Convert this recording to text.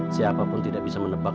siapapun tidak bisa menebak